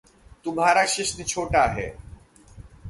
तुम्हारा शिश्न छोटा है।